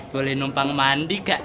boleh numpang mandi gak